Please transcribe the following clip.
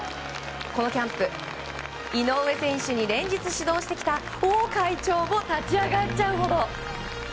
このキャンプ、井上選手に連日指導してきた王会長も立ち上がっちゃうほど。